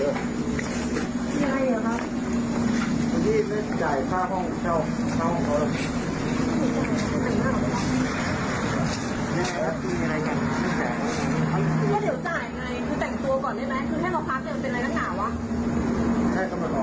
โอ้โหต้วยงานด้วยนะครับ